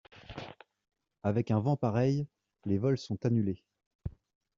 Avec un vent pareil, les vols sont annulés.